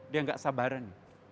dia enggak sabaran